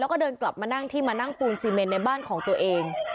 แล้วก็เดินกลับมานั่งที่มานั่งปูนซีเมนในบ้านของตัวเอง